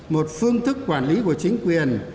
một phương thức quản lý của chính quyền